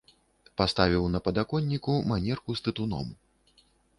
Паставіў на падаконніку манерку з тытуном.